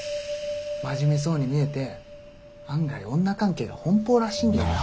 真面目そうに見えて案外女関係が奔放らしいんだよ。